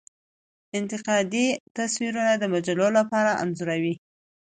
انتقادي تصویرونه د مجلو لپاره انځوروي.